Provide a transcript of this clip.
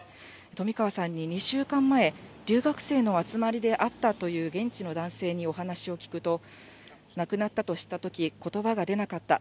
冨川さんに２週間前、留学生の集まりで会ったという現地の男性にお話を聞くと、亡くなったと知ったとき、ことばが出なかった。